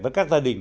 với các gia đình